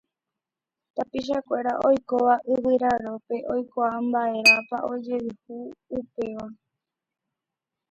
Tapichakuéra oikóva Yvyrarópe oikuaa mba'érepa ojehu upéva.